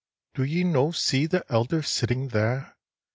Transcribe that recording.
"Do ye no see the elder sitting there?